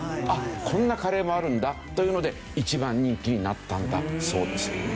こんなカレーもあるんだというので一番人気になったんだそうです。